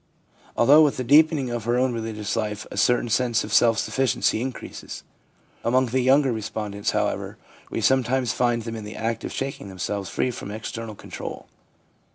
Along with the deepening of her own religious life a EXTERNAL INFLUENCES 297 certain sense of self sufficiency increases. Among the younger respondents, however, we sometimes find them in the act of shaking themselves free from external con trol.